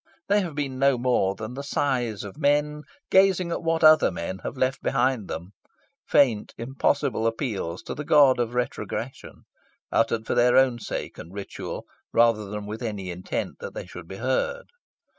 They have been no more than the sighs of men gazing at what other men had left behind them; faint, impossible appeals to the god of retrogression, uttered for their own sake and ritual, rather than with any intent that they should be heard.